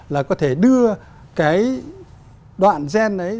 là có thể đưa cái đoạn gen ấy